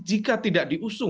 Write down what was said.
jika tidak diusul